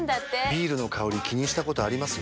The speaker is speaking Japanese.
ビールの香り気にしたことあります？